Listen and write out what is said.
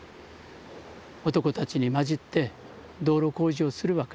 男たちにまじって道路工事をするわけです。